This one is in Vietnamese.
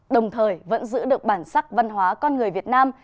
đồng thời vẫn giữ được bản sắc văn hóa con người việt nam